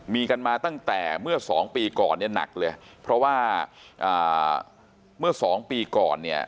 มีกันมาตั้งแต่เมื่อสองปีก่อนเนี่ยหนักเลยเพราะว่าเมื่อสองปีก่อนเนี่ย